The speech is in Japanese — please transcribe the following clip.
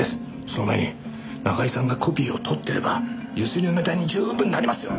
その前に中居さんがコピーを取ってれば強請りのネタに十分なりますよ！